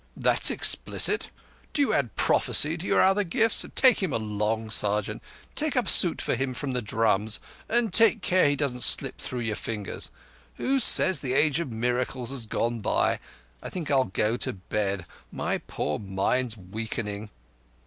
"That's explicit. D'you add prophecy to your other gifts? Take him along, sergeant. Take up a suit for him from the Drums, an' take care he doesn't slip through your fingers. Who says the age of miracles is gone by? I think I'll go to bed. My poor mind's weakening."